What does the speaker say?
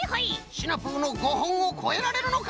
シナプーの５ほんをこえられるのか？